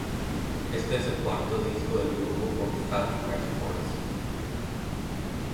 Este es el cuarto disco del grupo con Fat Wreck Chords.